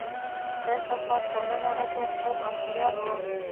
دا سفر کلونه راته خوب او خیال و.